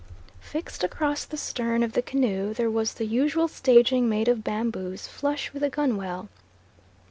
Fixed across the stern of the canoe there was the usual staging made of bamboos, flush with the gunwale.